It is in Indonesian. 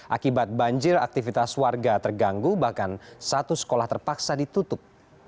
akibat banjir aktivitas warga terganggu bahkan satu sekolah terpaksa ditutup